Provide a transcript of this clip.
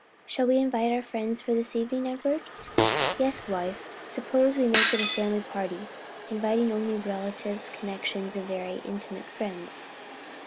Shall we invite our friends for this evening, Edward?" "Yes, wife; suppose we make it a family party, inviting only relatives, connections and very intimate friends."